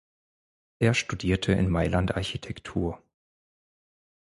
Er studierte in Mailand Architektur.